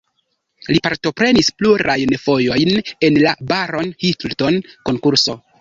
Li partoprenis plurajn fojojn en la Barron-Hilton-konkurso.